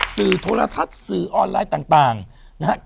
สื่อโทรทัศน์สื่อออนไลน์ต่างนะครับ